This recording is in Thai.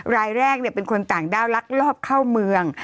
รายแรกเป็นคนต่างด้าวลักลอบเข้าเมือง